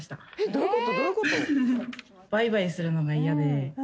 どういうこと？